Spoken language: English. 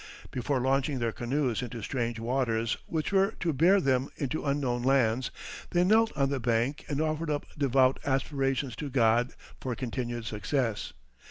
Before launching their canoes into strange waters, which were to bear them into unknown lands, they knelt on the bank and offered up devout aspirations to God for continued success.